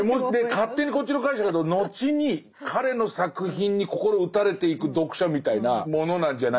勝手にこっちの解釈だと後に彼の作品に心打たれていく読者みたいなものなんじゃないかな。